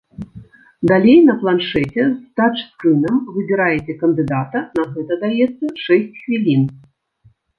Далей на планшэце з тач-скрынам выбіраеце кандыдата, на гэта даецца шэсць хвілін.